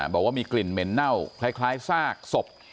บอกว่ามีกลิ่นเหม็นเน่าคล้ายซากศพ